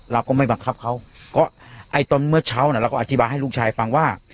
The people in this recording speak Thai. เราก็ไม่บังคับเขาก็ไอ้ตอนเมื่อเช้าเนี่ยเราก็อธิบายให้ลูกชายฟังว่า